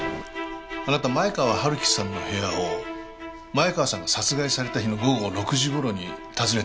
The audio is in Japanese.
あなた前川春樹さんの部屋を前川さんが殺害された日の午後６時頃に訪ねてますね。